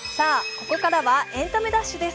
ここからは「エンタメダッシュ」です。